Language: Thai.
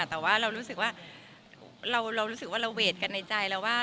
แต่ว่าเรารู้สึกว่าเรารู้สึกว่าเราเวทกันในใจแล้วว่า